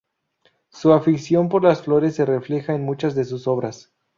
Su afición por las flores se refleja en muchas de sus obras.